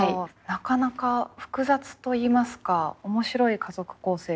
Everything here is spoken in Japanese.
なかなか複雑といいますか面白い家族構成になりそうですね